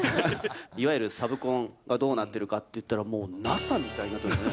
いわゆるサブコンがどうなっているかっていったら、もうＮＡＳＡみたいになってるんです。